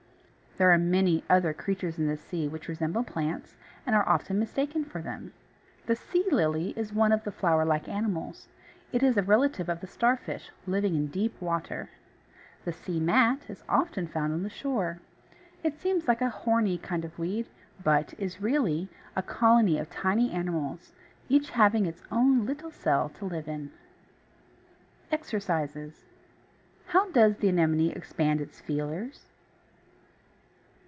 There are many other creatures in the sea which resemble plants and are often mistaken for them. The Sea Lily (p.49) is one of the flower like animals; it is a relative of the Starfish, living in deep water. The Sea Mat (p.59) is often found on the shore. It seems like a horny kind of weed, but is really a colony of tiny animals, each one having its own little cell to live in. EXERCISES 1. How does the Anemone expand its "feelers"?